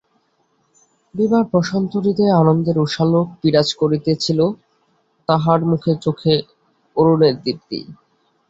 বিভার প্রশান্ত হৃদয়ে আনন্দের উষালােক বিরাজ করিতেছিল, তাহার মুখে চোখে অরুণের দীপ্তি।